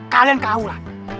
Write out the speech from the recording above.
kalian kau lah